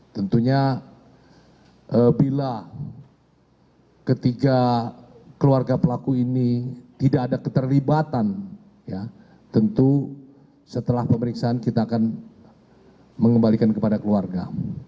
tentunya bila ketiga keluarga pelaku ini tidak ada keterlibatan tentu setelah pemeriksaan kita akan mengembalikan kepada keluarga